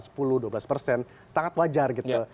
sangat wajar gitu